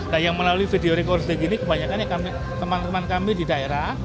nah yang melalui video recording ini kebanyakan teman teman kami di daerah